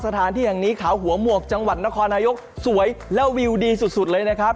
สถานที่แห่งนี้เขาหัวหมวกจังหวัดนครนายกสวยและวิวดีสุดเลยนะครับ